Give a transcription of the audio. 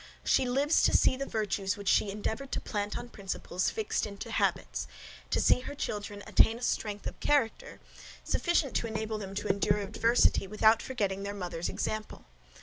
She lives to see the virtues which she endeavoured to plant on principles, fixed into habits, to see her children attain a strength of character sufficient to enable them to endure adversity without forgetting their mother's example.